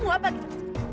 mau apa edgar